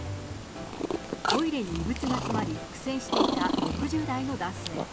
トイレに異物が詰まり、苦戦していた６０代の男性。